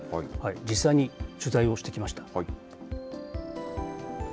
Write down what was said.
実際に取材をしてきました。